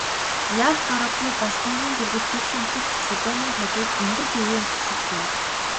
Яах аргагүй Галдангийн дэргэд тэгш өнцөгт чулууны хажууд өндөр гэгээн зогсож байв.